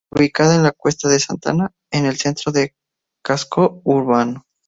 Ubicada en la Cuesta de Santa Ana, en el centro del casco urbano.